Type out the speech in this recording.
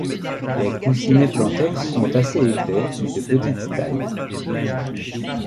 Les coussinets plantaires sont assez épais mais de petite taille.